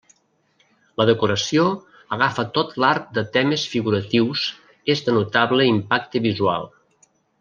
La decoració agafa tot l'arc de temes figuratius, és de notable impacte visual.